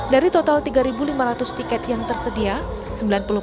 dari total tiga lima ratus tiket yang tersedia